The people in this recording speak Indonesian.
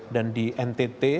dan di ntt